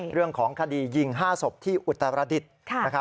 เรื่องของคดียิง๕ศพที่อุตรดิษฐ์